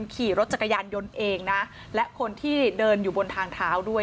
ขี่รถจักรยานยนต์เองนะและคนที่เดินอยู่บนทางเท้าด้วย